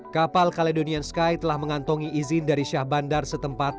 kapal caledonian sky telah mengantongi izin dari syah bandar setempat